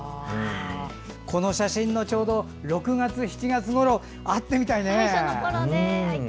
この写真のちょうど６月、７月ごろ会ってみたいね。